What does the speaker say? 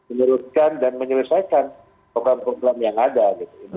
menurutkan dan menyelesaikan program program yang ada